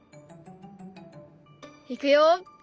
いくよ。